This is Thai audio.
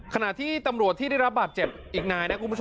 ขณะที่ตำรวจที่ได้รับบาดเจ็บอีกนายนะคุณผู้ชม